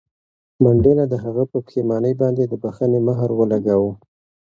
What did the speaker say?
منډېلا د هغه په پښېمانۍ باندې د بښنې مهر ولګاوه.